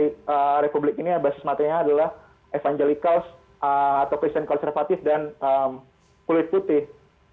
partai republik ini ya basis matanya adalah evangelicals atau christian konservatif dan kulit putih